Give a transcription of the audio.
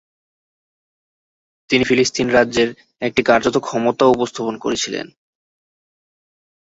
তিনি ফিলিস্তিন রাজ্যের একটি কার্যত ক্ষমতাও উপস্থাপন করেছিলেন।